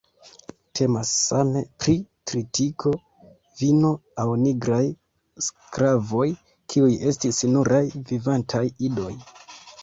Temas same pri tritiko, vino, aŭ nigraj sklavoj, kiuj estis nuraj "vivantaj iloj".